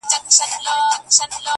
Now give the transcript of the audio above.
پسرلی وایې جهاني دي پرې باران سي،